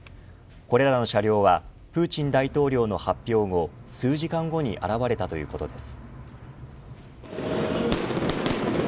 これらの車両はプーチン大統領の発表後数時間後に現れたということです。